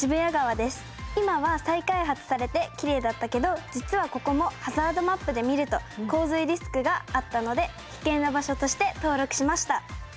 今は再開発されてきれいだったけど実はここもハザードマップで見ると洪水リスクがあったので危険な場所として登録しました。